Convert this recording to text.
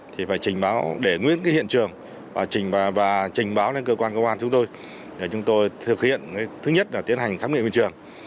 thì phải trình báo để nguyên cái hiện trường và trình báo lên cơ quan cơ quan chúng tôi để chúng tôi thực hiện thứ nhất là tiến hành khám nghiệm hiện trường